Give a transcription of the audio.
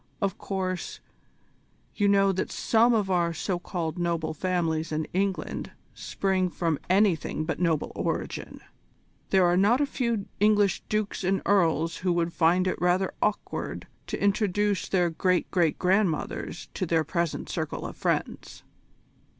Of course, you know that some of our so called noble families in England spring from anything but a noble origin. There are not a few English dukes and earls who would find it rather awkward to introduce their great great grandmothers to their present circle of friends."